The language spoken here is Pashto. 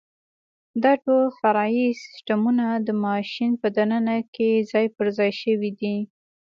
دا ټول فرعي سیسټمونه د ماشین په دننه کې ځای پرځای شوي دي.